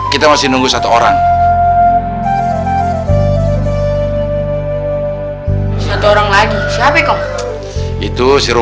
gimana sih mesti ngajak dia